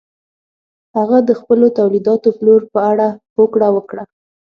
هغه د خپلو تولیداتو پلور په اړه هوکړه وکړه.